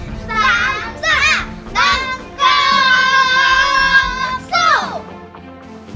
๓ซ่าบางกอกสู้